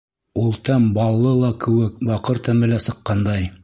Ул тәм баллы ла кеүек, баҡыр тәме лә сыҡҡандай.